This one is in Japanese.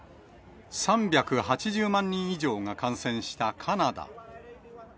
３８０万人以上が感染したカナダ。